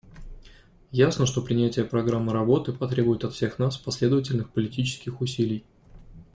Ясно, что принятие программы работы потребует от всех нас последовательных политических усилий.